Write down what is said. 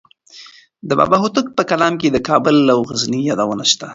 د بابا هوتک په کلام کې د کابل او غزني یادونه شته.